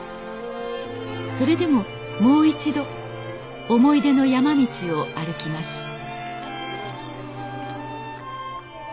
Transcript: それでももう一度思い出の山道を歩きます